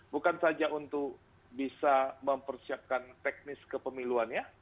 bukan saja untuk bisa mempersiapkan teknis kepemiluannya